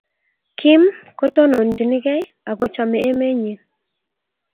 kim, tononchinigei ak kochomei emenyin